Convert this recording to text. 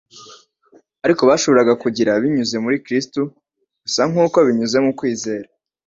ariko bashoboraga gukira binyuze muri Kristo gusa nk'uko binyuze mu kwizera